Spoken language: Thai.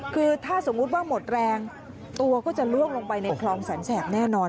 คือถ้าสมมุติว่าหมดแรงตัวก็จะล่วงลงไปในคลองแสนแสบแน่นอน